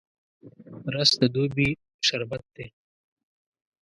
رس د دوبي شربت دی